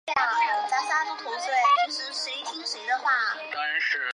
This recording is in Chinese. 空丹车站。